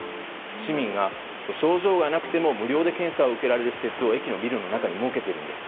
市民が症状がなくても無料で検査を受けられる施設をビルの中に設けているんです。